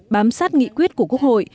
bám sát nghị quyết của quốc hội